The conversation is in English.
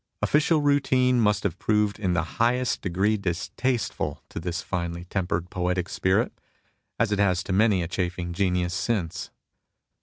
Official routine must have proved in the highest degree distasteful to this finely tempered poetic spirit, as it has to many a chafing genius since.